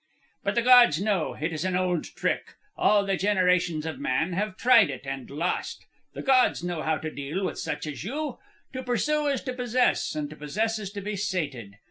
"But the gods know. It is an old trick. All the generations of man have tried it... and lost. The gods know how to deal with such as you. To pursue is to possess, and to possess is to be sated.